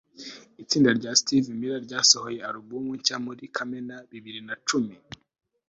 itsinda rya steve miller ryasohoye alubumu nshya muri kamena bibiri na cumi